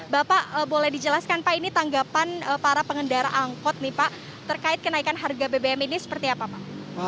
bapak boleh dijelaskan pak ini tanggapan para pengendara angkot nih pak terkait kenaikan harga bbm ini seperti apa pak